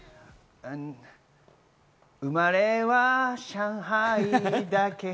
生まれは上海だけど。